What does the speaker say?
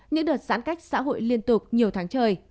những đợt giãn cách xã hội liên tục nhiều tháng trời